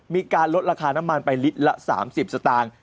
มีการลดราคาน้ำมันไปลิตรละ๓๐สตางค์